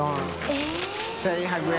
１１００円。